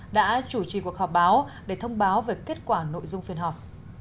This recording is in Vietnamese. đã chủ trì cuộc họp báo để thông báo về kết quả nội dung phiên họp